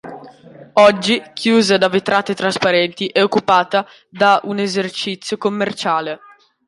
Oggi, chiusa da vetrate trasparenti, è occupata da un esercizio commerciale.